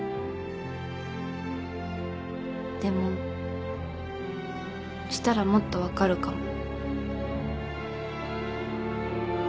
でもしたらもっとわかるかも。